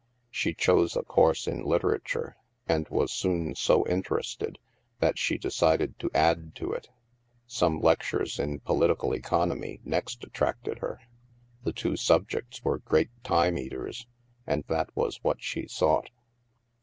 She chose a course in literature and was soon so interested that she decided to add to it. Some lec tures in political economy next attracted her. The two subjects were great time eaters, and that was what she sought.